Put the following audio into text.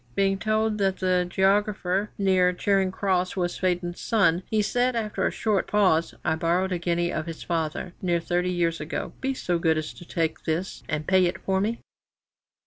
Being told that the geographer near Charing Cross was Faden's son, he said, after a short pause: "I borrowed a guinea of his father near thirty years ago; be so good as to take this, and pay it for me."'